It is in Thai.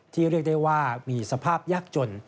เรียกได้ว่ามีสภาพยากจน